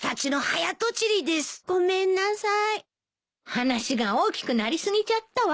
話が大きくなり過ぎちゃったわ。